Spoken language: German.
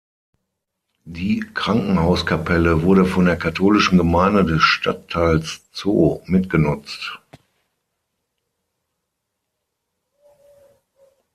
Die Krankenhauskapelle wurde von der katholischen Gemeinde des Stadtteils Zoo mitgenutzt.